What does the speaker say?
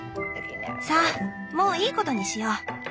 さあもういいことにしよう。